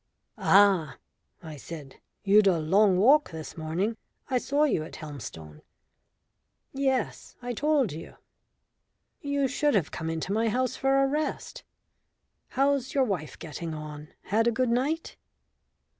"Ah!" I said. "You'd a long walk this morning. I saw you at Helmstone." "Yes. I told you." "You should have come into my house for a rest. How's your wife getting on had a good night?"